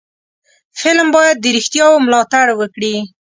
فلم باید د رښتیاو ملاتړ وکړي